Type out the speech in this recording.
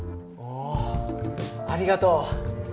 おおありがとう！